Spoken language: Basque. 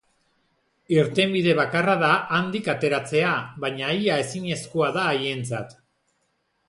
Irtenbide bakarra da handik ateratzea, baina ia ezinezkoa da haientzat.